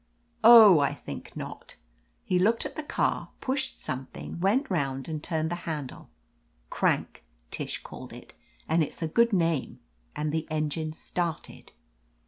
"Oh, I think not." He looked at the car, pushed something, went round and turned the handle — crank, Tish called it, and it's a good name — and the engine started.